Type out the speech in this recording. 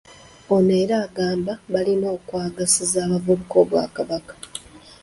Ono era agamba balina okwagazisa abavubuka Obwakabaka